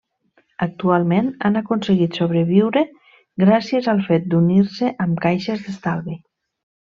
Actualment han aconseguit sobreviure gràcies al fet d'unir-se amb caixes d’estalvi.